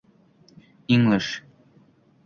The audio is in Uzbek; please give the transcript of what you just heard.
English